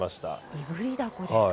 いぐり凧ですか。